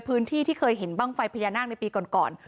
ที่เคยเห็นบ้างไฟพญานาคในปีก่อน